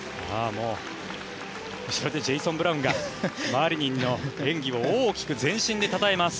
後ろでジェイソン・ブラウンがマリニンの演技を大きく全身でたたえます。